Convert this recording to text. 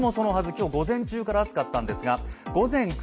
今日は午前中から暑かったんです。